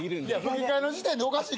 吹き替えの時点でおかしい。